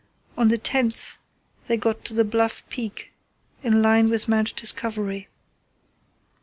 On the 10th they got the Bluff Peak in line with Mount Discovery.